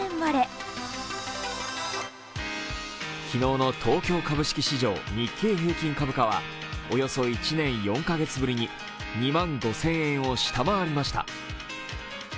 昨日の東京株式市場、日経平均株価はおよそ１年４カ月ぶりに２万５０００円を下回りました。